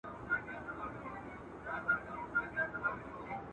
كه ځوانان نينې نينې سي